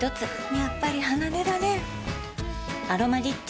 やっぱり離れられん「アロマリッチ」